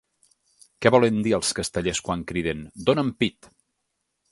Què volen dir els castellers quan criden ‘Dóna’m pit?’